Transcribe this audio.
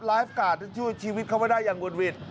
ไลฟ์การ์ดชีวิตเขาได้อย่างหวดหวิด